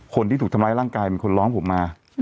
คนที่ถูกทำร้ายร่างกายเป็นคนร้องผมมา